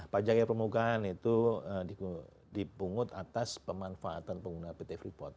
pajak air permukaan itu dipungut atas pemanfaatan pengguna pt freeport